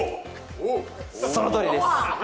そのとおりです。